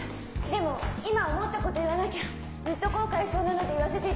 でも今思ったこと言わなきゃずっと後悔しそうなので言わせていただきます。